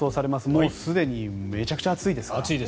もうすでにめちゃくちゃ暑いですから。